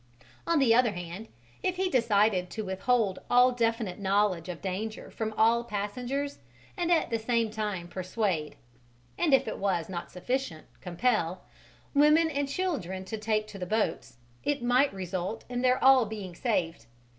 On the other hand, if he decided to withhold all definite knowledge of danger from all passengers and at the same time persuade and if it was not sufficient, compel women and children to take to the boats, it might result in their all being saved.